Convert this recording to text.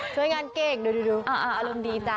ช่วยงานเก่งเดี๋ยวดูอารมณ์ดีจ้ะ